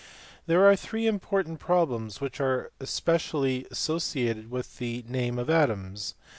There are three important problems which are specially associated with the name of Adams.